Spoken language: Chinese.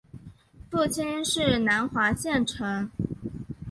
父亲是南华县丞。